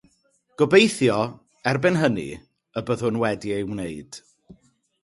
Gobeithio, erbyn hynny, y byddwn wedi ei wneud.